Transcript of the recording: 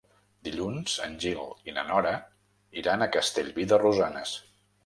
Dilluns en Gil i na Nora iran a Castellví de Rosanes.